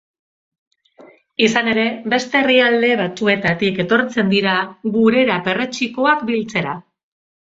Izan ere, beste herrialde batzuetatik etortzen dira gurera perretxikoak biltzera.